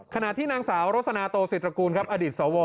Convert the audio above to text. ขณะที่นางสาวรสนาโตศิตรกูลครับอดีตสว